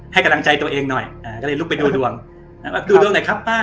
ให้กำลังใจตัวเองหน่อยอ่าก็เลยลุกไปดูดวงดูดวงหน่อยครับป้า